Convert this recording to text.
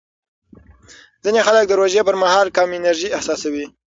ځینې خلک د روژې پر مهال کم انرژي احساسوي.